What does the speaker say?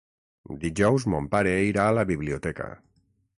Dijous mon pare irà a la biblioteca.